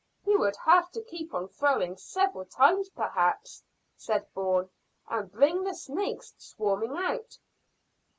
"He would have to keep on throwing several times perhaps," said Bourne, "and bring the snakes swarming out."